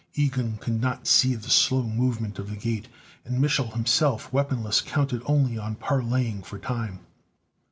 Ilgen could not see the slow movement of the gate, and Mich'l, himself weaponless, counted only on parleying for time.